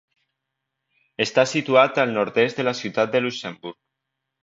Està situat al nord-est de la ciutat de Luxemburg.